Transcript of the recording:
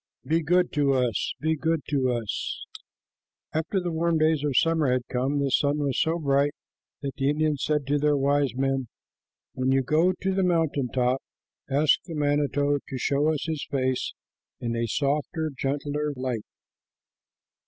Be good to us, be good to us." After the warm days of the summer had come, the sun was so bright that the Indians said to their wise men, "When you go to the mountain top, ask the manito to show us his face in a softer, gentler light."